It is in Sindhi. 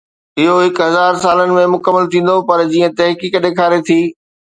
اهو هڪ هزار سالن ۾ مڪمل ٿيندو، پر جيئن تحقيق ڏيکاري ٿي